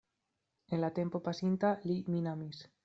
En la tempo pasinta li min amis.